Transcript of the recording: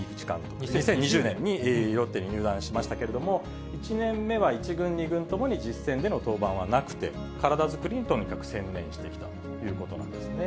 ２０２０年にロッテに入団しましたけれども、１年目は１軍、２軍ともに、実戦での登板はなくて、体作りにとにかく専念してきたということなんですね。